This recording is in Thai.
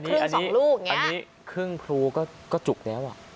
นี่ครึ่งพลูก็จุกแล้ว